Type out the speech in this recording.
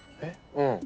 うん。